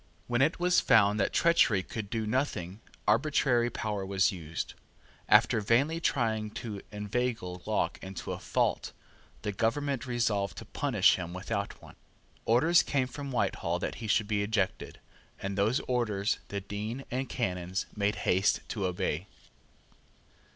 When it was found that treachery could do nothing, arbitrary power was used. After vainly trying to inveigle Locke into a fault, the government resolved to punish him without one. Orders came from Whitehall that he should be ejected; and those orders the Dean and Canons made haste to obey.